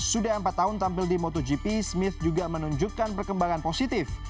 sudah empat tahun tampil di motogp smith juga menunjukkan perkembangan positif